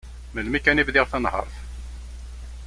Melmi kan i bdiɣ tanhert.